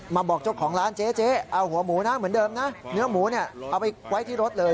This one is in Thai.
มาบอกเจ้าของร้านเจ๊เอาหัวหมูเหมือนเดิมเนื้อหมูเอาไว้ที่รถเลย